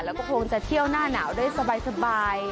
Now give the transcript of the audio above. แล้วก็คงจะเที่ยวหน้าหนาวได้สบาย